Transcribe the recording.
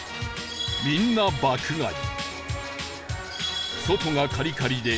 みんな爆買い